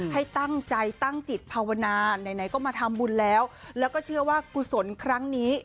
ให้ตั้งใจตั้งจิตภาวนาไหนก็มาทำบุญแล้วแล้วก็เชื่อว่ากุศลครั้งนี้